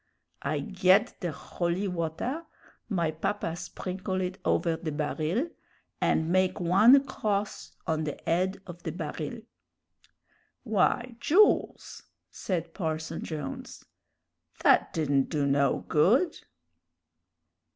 I ged the holy water; my papa sprinkle it over the baril, an' make one cross on the 'ead of the baril." "Why, Jools," said Parson Jones, "that didn't do no good."